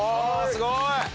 すごい！